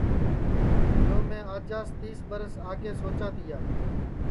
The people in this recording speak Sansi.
یو میں آج سے تیس برس آگے سوچا تیا